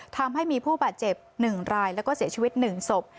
ทำให้มีผู้บาดเจ็บ๑รายแล้วก็เสียชีวิต๑ศพ